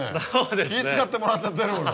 気ぃ使ってもらっちゃってるもの。